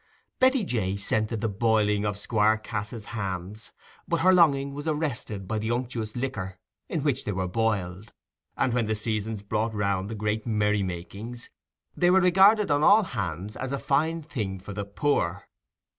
Betty Jay scented the boiling of Squire Cass's hams, but her longing was arrested by the unctuous liquor in which they were boiled; and when the seasons brought round the great merry makings, they were regarded on all hands as a fine thing for the poor.